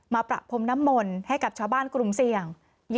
ประพรมน้ำมนต์ให้กับชาวบ้านกลุ่มเสี่ยง